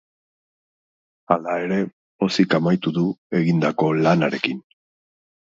Hala ere, pozik amaitu du egindako lanarekin.